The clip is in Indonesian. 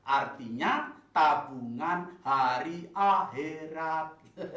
artinya tabungan hari akhirat